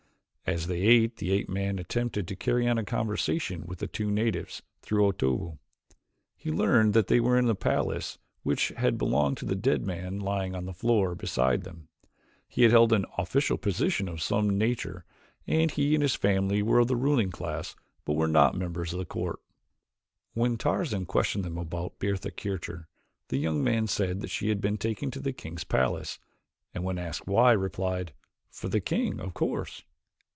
As they ate the ape man attempted to carry on a conversation with the two natives through Otobu. He learned that they were in the palace which had belonged to the dead man lying upon the floor beside them. He had held an official position of some nature, and he and his family were of the ruling class but were not members of the court. When Tarzan questioned them about Bertha Kircher, the young man said that she had been taken to the king's palace; and when asked why replied: "For the king, of course."